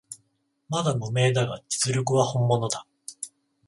まだ無名だが実力は本物だ